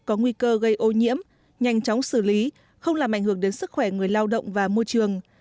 có nguy cơ gây ô nhiễm nhanh chóng xử lý không làm ảnh hưởng đến sức khỏe người lao động và môi trường